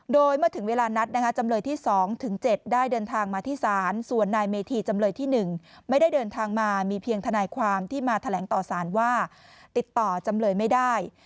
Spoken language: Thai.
โดยเมื่อถึงเวลานัดจำเลยที่๒๗ได้เดินทางมาที่ศาลส่วนนายเมธีจำเลยที่๑ไม่ได้เดินทางมามีเพียงทนายความที่มาแถลงต่อสารว่าติดต่อจำเลยไม่ได้